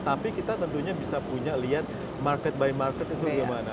tapi kita tentunya bisa punya lihat market by market itu gimana